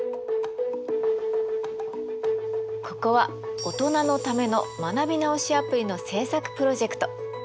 ここはオトナのための学び直しアプリの制作プロジェクト。